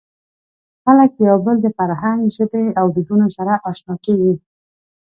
خلک د یو بل د فرهنګ، ژبې او دودونو سره اشنا کېږي.